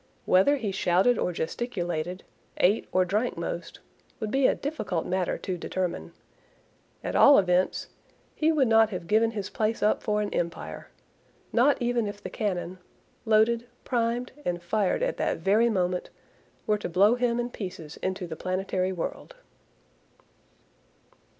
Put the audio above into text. Whether he shouted or gesticulated, ate or drank most, would be a difficult matter to determine. At all events, he would not have given his place up for an empire, "not even if the cannon—loaded, primed, and fired at that very moment—were to blow him in pieces into the planetary world."